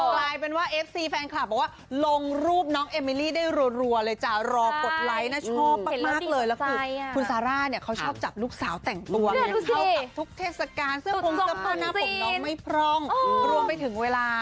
กลายเป็นว่าเอฟซีแฟนคลับบอกว่าลงรูปน้องเอมิลี่ได้รัวเลยจ้ะรอกดไลค์นะชอบมากเลยแล้วคือคุณซาร่าเนี่ยเขาชอบจับลูกสาวแต่งตัวไงเข้ากับทุกเทศกาลเสื้อพงเสื้อผ้าหน้าผมน้องไม่พร่องรวมไปถึงเวลา